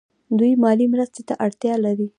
دوی مالي مرستې ته اړتیا لري.